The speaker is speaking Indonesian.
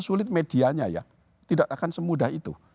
sulit medianya ya tidak akan semudah itu